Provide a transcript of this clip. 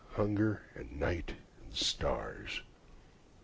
hunger and night and the stars.